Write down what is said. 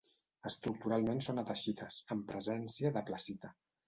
Estructuralment són ataxites, amb presència de plessita.